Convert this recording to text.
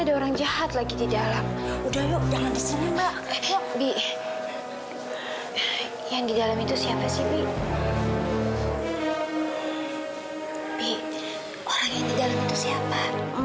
bi orang yang di dalam itu siapa